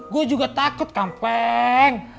gue juga takut kampleng